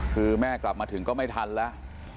คือแม่กลับมาถึงก็ไม่ทันแล้ว